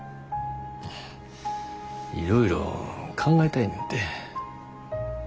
いろいろ考えたいねんて。